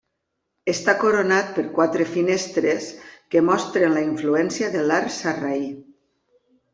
Està coronat per quatre finestres que mostren la influència de l'arc sarraí.